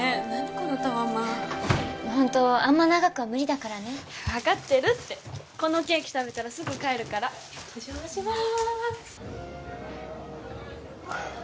このタワマンホントあんま長くは無理だからね分かってるってこのケーキ食べたらすぐ帰るからお邪魔しまーすあーっ